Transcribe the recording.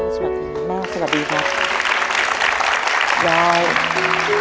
สวัสดีครับ